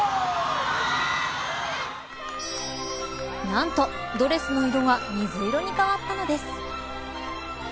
なんと、ドレスの色が水色に変わったのです。